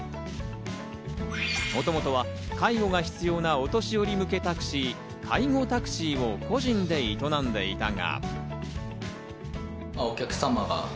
もともとは介護が必要なお年寄り向けタクシー、介護タクシーを個人で営んでいたが。